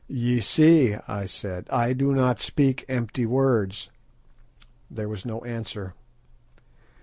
"Ye see," I said, "I do not speak empty words." There was no answer.